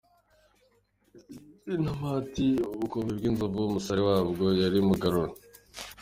Intamati : ’Ubukombe bw’inzovu “Umusare wabwo yari Mugarura.